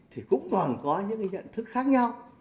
thì cũng còn có những cái nhận thức khác nhau